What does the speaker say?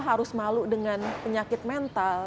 harus malu dengan penyakit mental